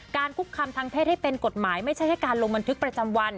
คุกคำทางเพศให้เป็นกฎหมายไม่ใช่แค่การลงบันทึกประจำวัน